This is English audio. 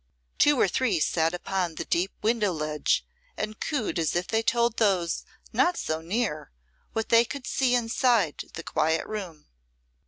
Two or three sate upon the deep window ledge and cooed as if they told those not so near what they could see inside the quiet room.